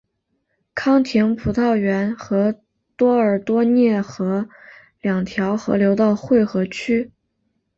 康廷葡萄园和多尔多涅河两条河流的汇合区。